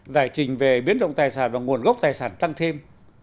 giải trình về biến động tài sản và nguồn gốc tài sản tăng thêm